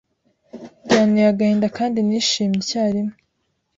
Byanteye agahinda kandi nishimye icyarimwe.